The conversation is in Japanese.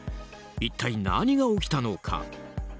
一体、何が起きたのか。